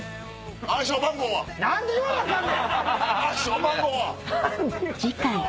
暗証番号は？